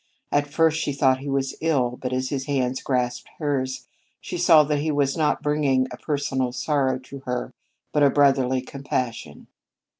At first she thought he was ill, but as his hands grasped hers, she saw that he was not bringing a personal sorrow to her but a brotherly compassion.